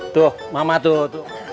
tuh mama tuh